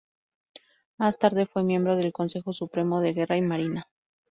Más tarde fue miembro del Consejo Supremo de Guerra y Marina.